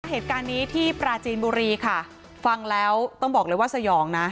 เหตุการณ์นี้ที่ปราจีนบุรีค่ะฟังแล้วต้องบอกเลยว่าสยองนะ